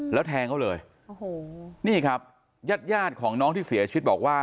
แล้วแทงเขาเลยโอ้โหนี่ครับญาติญาติของน้องที่เสียชีวิตบอกว่า